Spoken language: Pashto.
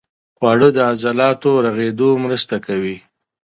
خواړه د عضلاتو رغېدو مرسته کوي.